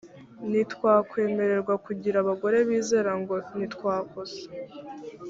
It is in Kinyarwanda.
ntitwakwemererwa kugira abagore bizera ngo ntitwakosa.